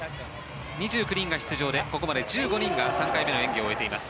２９人が出場でここまで１９人が３回目の演技を終えています。